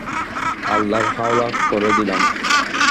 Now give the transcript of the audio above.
আল্লার হাওলা করে দিলাম।